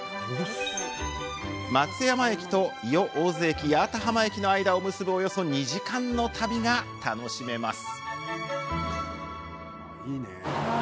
松山駅と伊予大洲駅、八幡浜駅の間を結ぶおよそ２時間の旅が楽しめます。